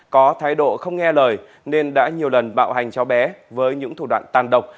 có thái độ không nghe lời nên đã nhiều lần bạo hành cháu bé với những thủ đoạn tàn độc